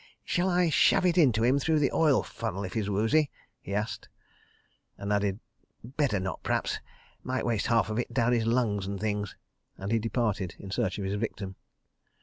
"Shall I shove it into him through the oil funnel if he is woozy?" he asked, and added: "Better not, p'r'aps. Might waste half of it down his lungs and things ..." and he departed, in search of his victim.